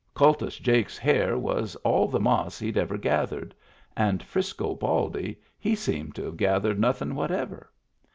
Kultus Jake's hair was all the moss he'd ever gathered, and Frisco Baldy he seemed to have gathered nothin' whatever.